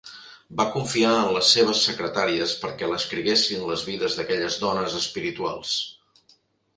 Va confiar en les seves secretàries perquè l'escriguessin les vides d'aquelles dones espirituals.